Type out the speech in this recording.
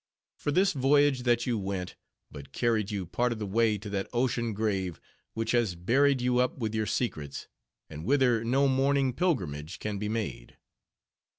For this voyage that you went, but carried you part of the way to that ocean grave, which has buried you up with your secrets, and whither no mourning pilgrimage can be made.